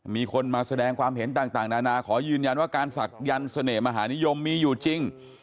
มีคนมาแสดงความเห็นต่างนานาขอยืนยันว่าการศักยันต์เสน่หมหานิยมมีอยู่จริง